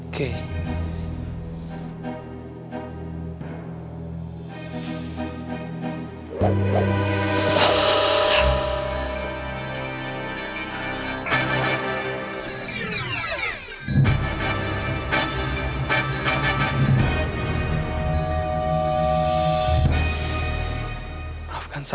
atau petunjuk tentang anak saya